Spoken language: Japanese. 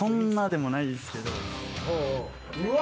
・うわ。